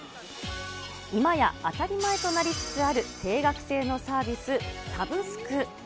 今や当たり前となりつつある定額制のサービス、サブスク。